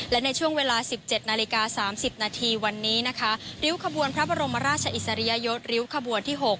และในช่วงเวลา๑๗นาฬิกา๓๐นาทีวันนี้นะคะริ้วขบวนพระบรมราชอิสริยยศริ้วขบวนที่๖